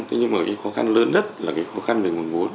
thế nhưng mà cái khó khăn lớn nhất là cái khó khăn về nguồn vốn